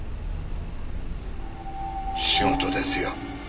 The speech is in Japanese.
仕事ですよ。